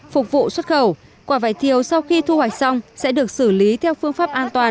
phục vụ xuất khẩu quả vải thiều sau khi thu hoạch xong sẽ được xử lý theo phương pháp an toàn